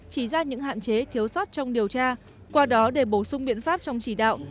chỉ ra những hạn chế thiếu sót trong điều tra qua đó để bổ sung biện pháp trong chỉ đạo